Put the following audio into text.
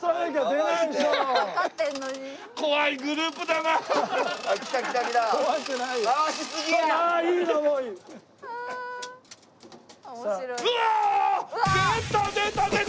出た出た出た出た。